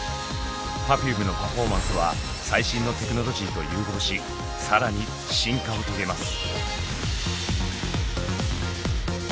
Ｐｅｒｆｕｍｅのパフォーマンスは最新のテクノロジーと融合し更に進化を遂げます。